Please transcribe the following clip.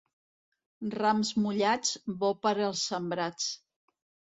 Rams mullats, bo per als sembrats.